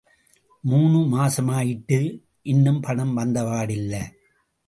மூணு மாசமாயிட்டது... இன்னும் பணம் வந்தபாடில்ல.